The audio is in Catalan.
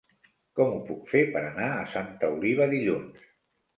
Com ho puc fer per anar a Santa Oliva dilluns?